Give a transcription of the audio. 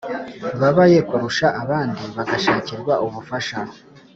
babaye kurusha abandi bagashakirwa ubufasha